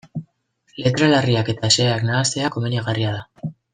Letra larriak eta xeheak nahastea komenigarria da.